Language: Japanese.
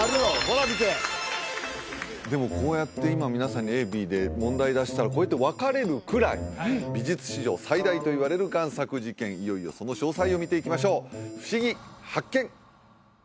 でもこうやって今皆さんにＡＢで問題出したらこうやって分かれるくらい美術史上最大といわれる贋作事件いよいよその詳細を見ていきましょうふしぎ発見！